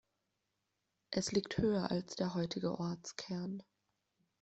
Es liegt höher als der heutige Ortskern.